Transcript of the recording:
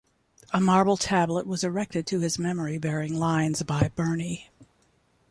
A marble tablet was erected to his memory bearing lines by Burney.